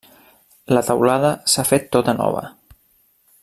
La teulada s'ha fet tota nova.